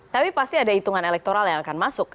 tapi pasti ada hitungan elektoral yang akan masuk